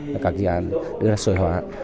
các cái dự án đưa ra sở hóa